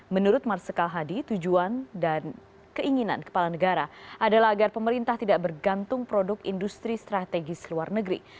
menurut marsikal hadi tujuan dan keinginan kepala negara adalah agar pemerintah tidak bergantung produk industri strategis luar negeri